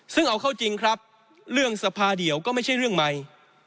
ซึ่งเอาเข้าจริงครับเรื่องสภาเดียวก็ไม่ใช่เรื่องใหม่